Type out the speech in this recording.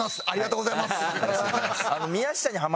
ありがとうございます。